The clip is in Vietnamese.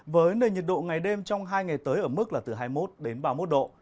với nền nhiệt độ ngày đêm trong hai ngày tới ở mức là từ hai mươi một đến ba mươi một độ